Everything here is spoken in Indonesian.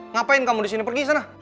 ngapain kamu disini pergi sana